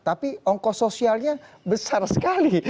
tapi ongkos sosialnya besar sekali